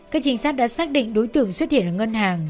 các trinh sát đã xác định đối tượng xuất hiện ở ngân hàng